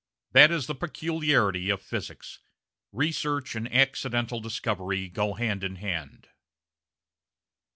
That is the peculiarity of Physics research and 'accidental' discovery go hand in hand."